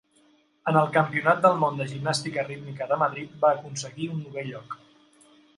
En el Campionat del Món de Gimnàstica Rítmica de Madrid va aconseguir un novè lloc.